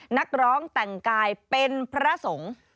นักร้องแต่งกายเป็นพระสงฆ์